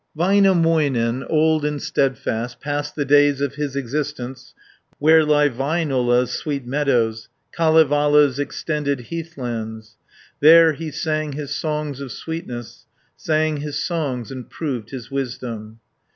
Väinämöinen, old and steadfast Passed the days of his existence Where lie Väinölä's sweet meadows, Kalevala's extended heathlands: There he sang his songs of sweetness Sang his songs and proved his wisdom.